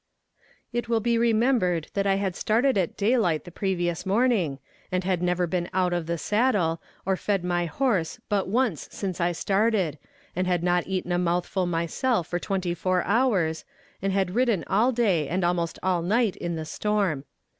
It will be remembered that I had started at daylight the previous morning, and had never been out of the saddle, or fed my horse but once since I started, and had not eaten a mouthful myself for twenty four hours, and had ridden all day and almost all night in the storm.